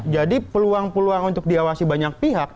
jadi peluang peluang untuk diawasi banyak pihak